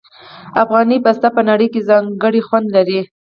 افغاني پسته په نړۍ کې ځانګړی خوند لري.